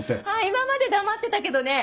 今まで黙ってたけどね